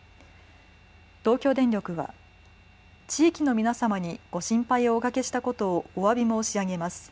東京電力は地域の皆様にご心配をおかけしたことをおわび申し上げます。